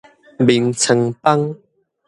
眠床枋